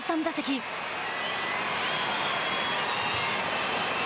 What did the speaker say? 第３打席。